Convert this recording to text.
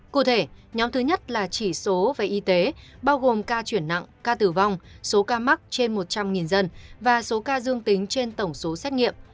cụ thể nhóm thứ nhất là chỉ số về y tế bao gồm ca chuyển nặng ca tử vong số ca mắc trên một trăm linh dân và số ca dương tính trên tổng số xét nghiệm